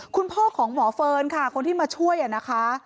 คุณพ่อของหมอเฟิร์นค่ะคนที่มาช่วยนะคะ